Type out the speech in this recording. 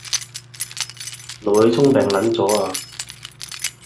小聰病咗